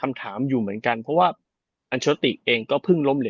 ไมคำถามอยู่เหมือนกันเพราะว่าอัชรฤตตีเองก็เพิ่งล้อม